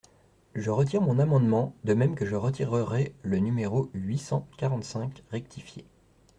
Je retire mon amendement, de même que je retirerai le numéro huit cent quarante-cinq rectifié.